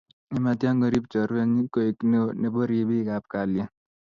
yematia korip chorwenyi koek neoo nebo ripik ab kalyet